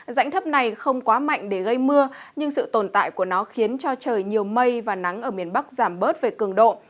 dãnh thấp này không quá mạnh để gây mưa nhưng sự tồn tại của nó khiến cho trời nhiều mây và nắng ở miền bắc giảm bớt về cường độ